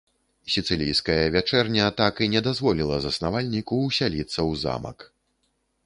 Сіцылійская вячэрня так і не дазволіла заснавальніку усяліцца ў замак.